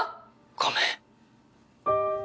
ごめん。